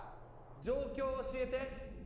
・状況を教えて！